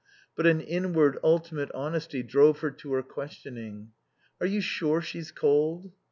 But an inward, ultimate honesty drove her to her questioning. "Are you sure she's cold?"